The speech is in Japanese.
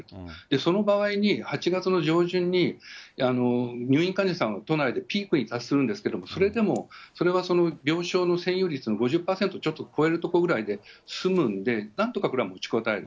その場合に、８月の上旬に入院患者さんは都内でピークに達するんですけど、それでもそれは病床の占有率の５０％ちょっと超えるところぐらいで、済むんで、なんとかこれは持ちこたえる。